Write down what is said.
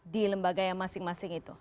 di lembaga yang masing masing itu